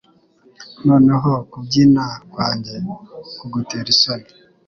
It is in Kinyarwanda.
Noneho kubyina kwanjye kugutera isoni